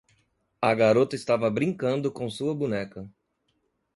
A garota estava brincando com sua boneca.